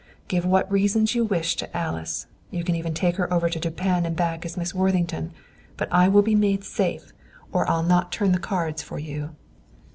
"Give what reasons you wish to Alice; you can even take her over to Japan and back as Miss Worthington; but I will be made safe, or I'll not turn the cards for you."